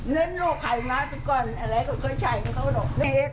เงินโรคไขม้าไปก่อนอะไรก็ค่อยใช่ก็เขาหรอก